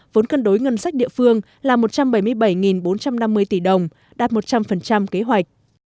vốn cân đối ngân sách địa phương là một trăm bảy mươi bảy bốn trăm năm mươi tỷ đồng đạt một trăm linh kế hoạch